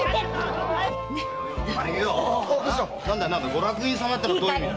ご落胤様ってどういうことだ？